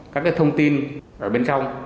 các thông tin ở bên trong